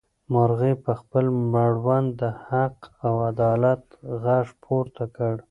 مرغۍ په خپل مړوند د حق او عدالت غږ پورته کړ.